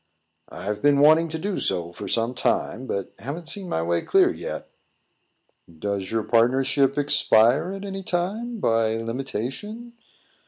"I've been wanting to do so for some time, but haven't seen my way clear yet." "Does your partnership expire at any time, by limitation?"